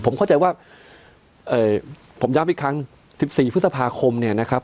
ผมเข้าใจว่าผมย้ำอีกครั้ง๑๔พฤษภาคมเนี่ยนะครับ